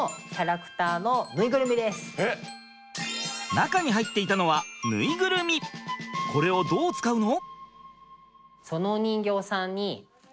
中に入っていたのはこれをどう使うの？